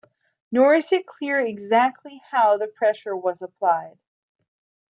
Nor is it clear exactly how the pressure was applied.